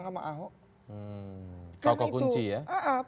katakan jangan jangan saya tahulah tokoh kunci di gerindra itu juga senang sama ahok